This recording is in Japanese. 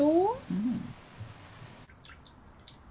うん。